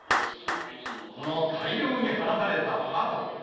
この大量に放たれたハト。